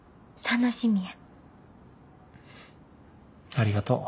ありがとう。